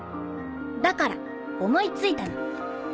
「だから思い付いたの。